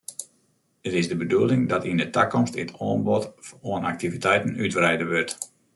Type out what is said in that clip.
It is de bedoeling dat yn 'e takomst it oanbod oan aktiviteiten útwreide wurdt.